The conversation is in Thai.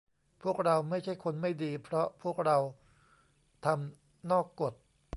พวกเราไม่ใช่คนไม่ดีเพราะพวกเราเราทำนอกกฏ